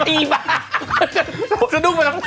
อี้บ๊ะ